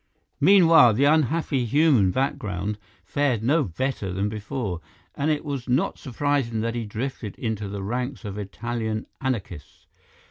"Meanwhile, the unhappy human background fared no better than before, and it was not surprising that he drifted into the ranks of Italian anarchists.